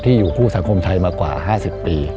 อยู่คู่สังคมไทยมากว่า๕๐ปี